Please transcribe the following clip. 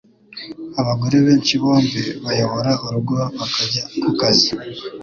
Abagore benshi bombi bayobora urugo bakajya kukazi.